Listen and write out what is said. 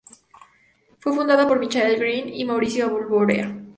Fue fundada por Michael Greene y Mauricio Abaroa.